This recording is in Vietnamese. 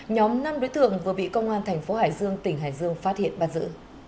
nhóm năm đối tượng vừa bị công an thành phố hải dương tỉnh hải dương phát hiện bắt giữ